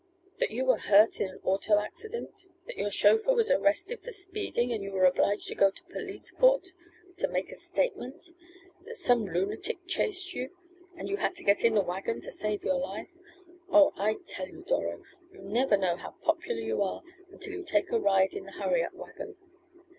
That you were hurt in an auto accident; that your chauffeur was arrested for speeding and you were obliged to go to police court to make a statement; that some lunatic chased you, and you had to get in the wagon to save your life Oh! I tell you, Doro, you never know how popular you are until you take a ride in the 'hurry up' wagon.